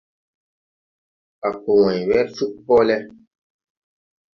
A ko wãy wer cug hoole.